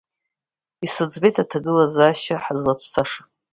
Исыӡбеит аҭагылазаашьа ҳазлацәцаша!